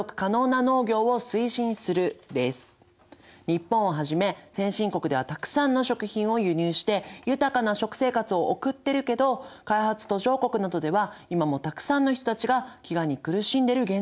日本をはじめ先進国ではたくさんの食品を輸入して豊かな食生活を送ってるけど開発途上国などでは今もたくさんの人たちが飢餓に苦しんでる現状があります。